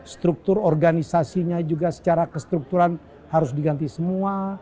struktur organisasinya juga secara kestrukturan harus diganti semua